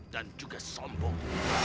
dan juga sombong